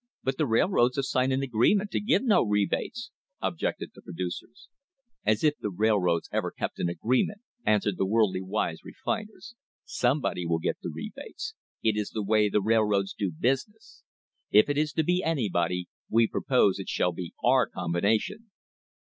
"But the railroads have signed an agreement to give no rebates," ob jected the producers. "As if the railroads ever kept an agreement," answered the worldly wise refiners. "Somebody will get the rebates. It is the way the railroads do business. If it is to be anybody, we propose it shall be our combination."